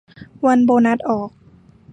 วันโบนัสออก